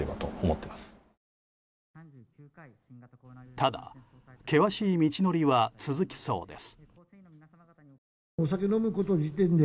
ただ、険しい道のりは続きそうです。